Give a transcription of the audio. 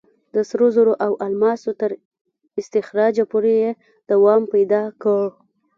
د سرو زرو او الماسو تر استخراجه پورې یې دوام پیدا کړ.